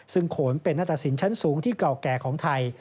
ซึ่งโขนเป็นอัตศิลป์ชั้นสูงที่เก่าแก่ของไทย